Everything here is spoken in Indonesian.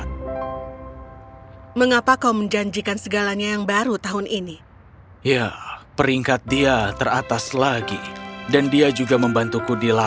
tapi kalau kau mendapatkan semua itu untuknya